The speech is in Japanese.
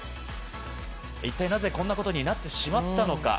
一体なぜこんなことになってしまったのか。